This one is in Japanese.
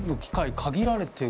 限られてる？